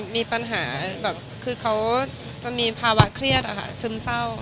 มีปัญหาแบบคือเขาจะมีภาวะเครียดซึมเศร้า